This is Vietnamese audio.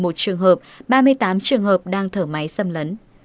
một trường hợp ba mươi tám trường hợp đang thở máy xâm lấn